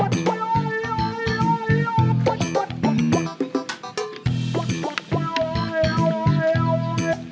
ทำไมเนี่ย